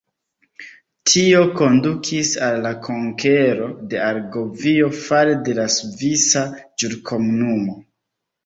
Tio kondukis al la konkero de Argovio fare de la Svisa Ĵurkomunumo.